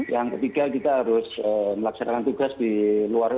yang ketiga kita harus melaksanakan tugas di luar